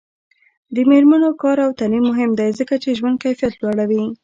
د میرمنو کار او تعلیم مهم دی ځکه چې ژوند کیفیت لوړوي.